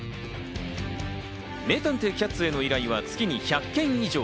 名探偵キャッツへの依頼は月に１００件以上。